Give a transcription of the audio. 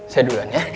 saya duluan ya